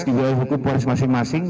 di bawah hukum polis masing masing